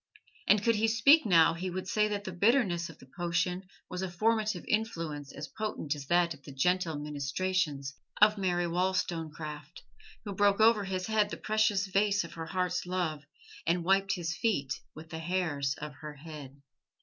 And could he speak now he would say that the bitterness of the potion was a formative influence as potent as that of the gentle ministrations of Mary Wollstonecraft, who broke over his head the precious vase of her heart's love and wiped his feet with the hairs of her head.